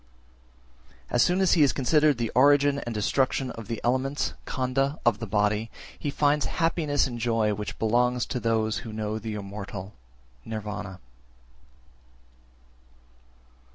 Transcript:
374. As soon as he has considered the origin and destruction of the elements (khandha) of the body, he finds happiness and joy which belong to those who know the immortal (Nirvana).